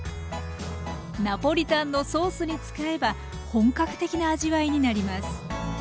ナポリタンのソースに使えば本格的な味わいになります。